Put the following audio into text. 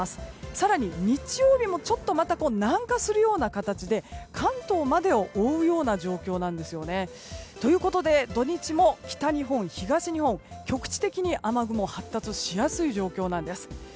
更に日曜日も南下するような形で関東までを覆うような状況なんですね。ということで土日も北日本、東日本は局地的に雨雲が発達しやすい状況です。